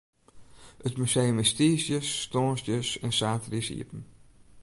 It museum is tiisdeis, tongersdeis en saterdeis iepen.